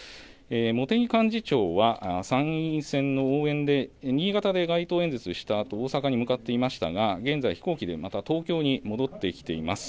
茂木幹事長は参院選の応援で新潟で街頭演説したあと大阪に向かっていましたが現在、飛行機でまた東京に戻ってきています。